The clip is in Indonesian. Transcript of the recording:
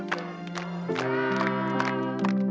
selamat pada umur